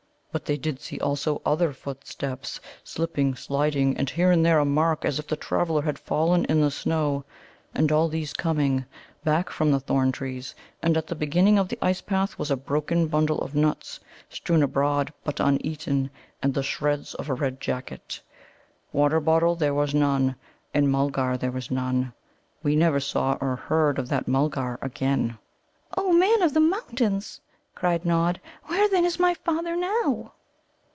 But they did see also other footsteps, slipping, sliding, and here and there a mark as if the traveller had fallen in the snow, and all these coming back from the thorn trees. And at the beginning of the ice path was a broken bundle of nuts strewn abroad, but uneaten, and the shreds of a red jacket. Water bottle there was none, and Mulgar there was none. We never saw or heard of that Mulgar again." "O Man of the Mountains," cried Nod, "where, then, is my father now?"